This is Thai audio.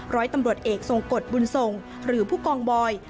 ร้อยตำรวจเอกทรงกฎบุญทรงหรือผู้กองบอย